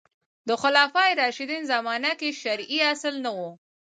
د خلفای راشدین زمانه کې شرعي اصل نه و